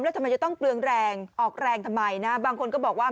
แล้วทำไมจะต้องเปลืองแรงออกแรงทำไมนะบางคนก็บอกว่า